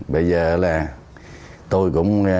bây giờ là tôi cũng